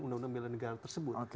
undang undang bela negara tersebut